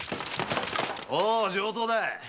おお上等だい！